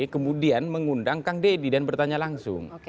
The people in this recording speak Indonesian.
kemudian mengundang kang deddy dan bertanya langsung